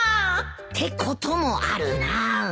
ってこともあるな。